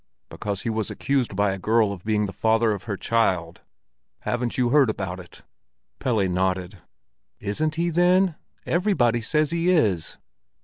"Because he was accused by a girl of being the father of her child. Haven't you heard about it?" Pelle nodded. "Isn't he, then? Everybody says he is."